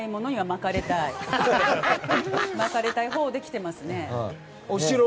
巻かれたいほうで来てますね。